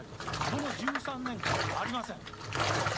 この１３年間ありません。